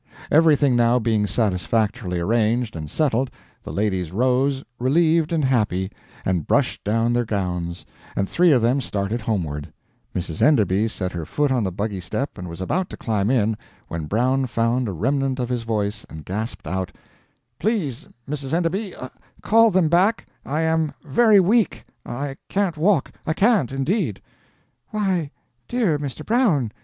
Everything now being satisfactorily arranged and settled, the ladies rose, relieved and happy, and brushed down their gowns, and three of them started homeward; Mrs. Enderby set her foot on the buggy step and was about to climb in, when Brown found a remnant of his voice and gasped out "Please Mrs. Enderby, call them back I am very weak; I can't walk, I can't, indeed." "Why, dear Mr. Brown!